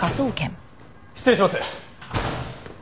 失礼します。